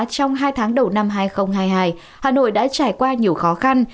trong hai tháng đầu năm hai nghìn hai mươi hai hà nội đã trải qua nhiều khó khăn